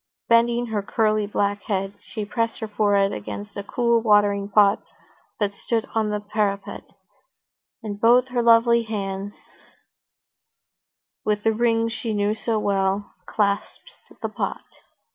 Bending her curly black head, she pressed her forehead against a cool watering pot that stood on the parapet, and both her lovely hands, with the rings he knew so well, clasped the pot.